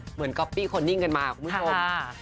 ก๊อปปี้คนนิ่งกันมาคุณผู้ชม